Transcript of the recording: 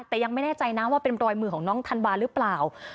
แต่ยังไม่แน่ใจนะว่าเป็นรอยมือของน้องธันวาหรือเปล่า